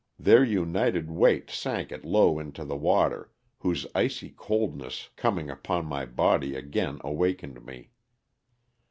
Their united weight sank it low into the water, whose icy coldness coming upon my body again awakened me.